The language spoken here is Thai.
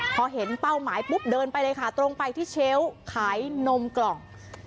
พอเห็นเป้าหมายปุ๊บเดินไปเลยค่ะตรงไปที่เชลล์ขายนมกล่อง